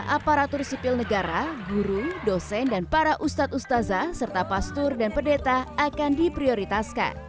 aparatur sipil negara guru dosen dan para ustadz ustazah serta pastur dan pedeta akan diprioritaskan